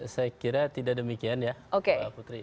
saya kira tidak demikian ya putri